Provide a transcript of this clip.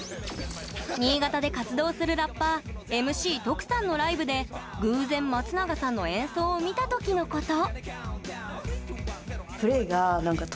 新潟で活動するラッパーＭＣＴＯＣさんのライブで偶然松永さんの演奏を見た時のこと。